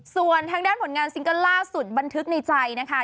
ส่วนทางด้านผลงานซิงเกิลล่าสุดบันทึกในใจนะคะ